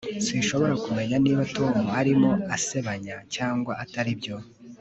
Sinshobora kumenya niba Tom arimo asebanya cyangwa ataribyo